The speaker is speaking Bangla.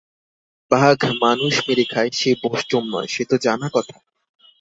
বাঘ মানুষ মেরে খায়, সে বোষ্টম নয়, সে তো জানা কথা।